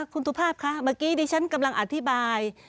คุณสุภาพคะเมื่อกี้ดิฉันกำลังอธิบาย